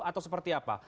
atau seperti apa